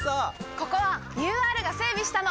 ここはＵＲが整備したの！